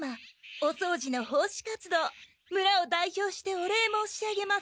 おそうじの奉仕活動村を代表してお礼申し上げます。